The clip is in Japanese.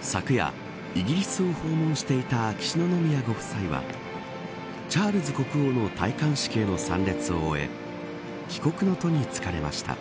昨夜、イギリスを訪問していた秋篠宮ご夫妻はチャールズ国王の戴冠式への参列を終え帰国の途につかれました。